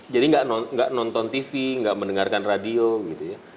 jadi enggak nonton tv enggak mendengarkan radio gitu ya